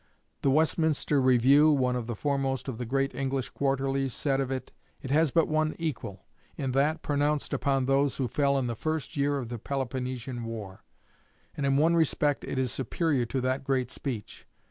"The Westminster Review," one of the foremost of the great English quarterlies, said of it: "It has but one equal, in that pronounced upon those who fell in the first year of the Peloponnesian War; and in one respect it is superior to that great speech.